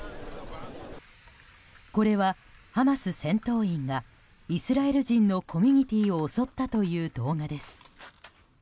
これは、ハマス戦闘員がイスラエル人のコミュニティーを襲ったという動画です。